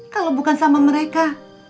kalo bukan sama mereka